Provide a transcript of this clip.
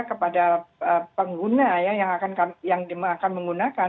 kepada pengguna yang akan menggunakan